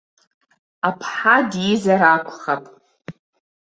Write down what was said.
Аԥҳа дизар акәхап.